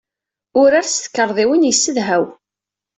Urar s tkarḍiwin yessedhaw.